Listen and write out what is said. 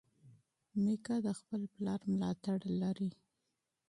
میکا د خپل پلار ملاتړ لري.